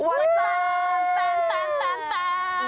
ว๊าซังตันตันตันตัน